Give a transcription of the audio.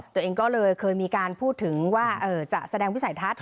ตัวเองก็เลยเคยมีการพูดถึงว่าจะแสดงวิสัยทัศน์